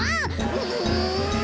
あ。